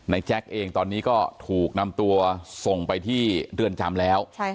แจ๊คเองตอนนี้ก็ถูกนำตัวส่งไปที่เรือนจำแล้ว